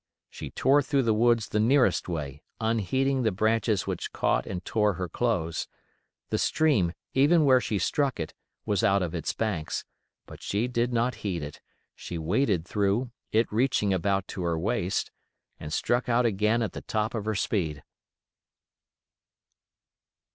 She tore through the woods the nearest way, unheeding the branches which caught and tore her clothes; the stream, even where she struck it, was out of its banks; but she did not heed it—she waded through, it reaching about to her waist, and struck out again at the top of her speed.